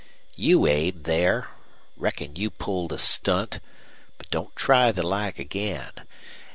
"You Abe, there. Reckon you pulled a stunt! But don't try the like again.